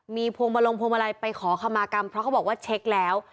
มีพวงมาลงพวงมาลัยไปขอคำมากรรมเพราะเขาบอกว่าเช็คแล้ว